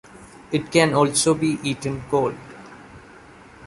It can also be eaten cold.